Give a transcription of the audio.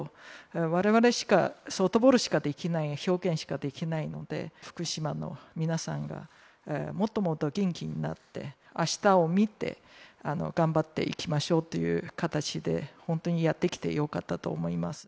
我々にはソフトボールしかできないので、福島の皆さんがもっともっと元気になって明日を見て頑張っていきましょうという形で本当にやってきてよかったと思います。